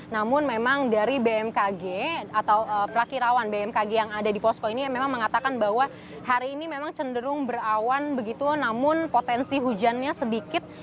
namun memang dari bmkg atau prakirawan bmkg yang ada di posko ini memang mengatakan bahwa hari ini memang cenderung berawan begitu namun potensi hujannya sedikit